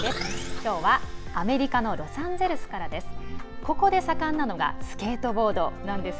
きょうはアメリカのロサンゼルスからです。